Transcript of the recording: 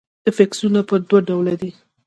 افیکسونه پر وده ډوله دي.